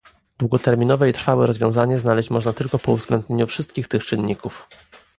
Długoterminowe i trwałe rozwiązanie znaleźć można tylko po uwzględnieniu wszystkich tych czynników